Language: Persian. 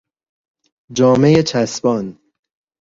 جامهی چسبان